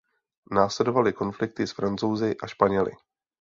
Následovaly konflikty s Francouzi a Španěly.